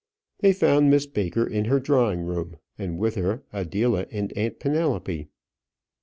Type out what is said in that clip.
They found Miss Baker in her drawing room, and with her Adela and aunt Penelope.